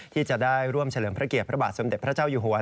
ที่จะได้ร่วมเฉลิมพระเกียรติพระบาทสมเด็จพระเจ้าอยู่หัว